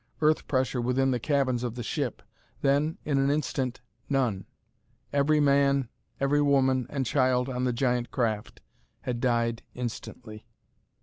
Earth pressure within the cabins of the ship; then in an instant none! Every man, every woman and child on the giant craft, had died instantly!